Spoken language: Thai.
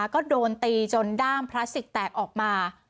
ก็โดนตีจนด้ามพลาสติกแตกออกมา